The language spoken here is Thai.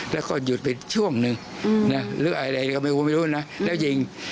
แล้วหยุดไปช่วงหนึ่ง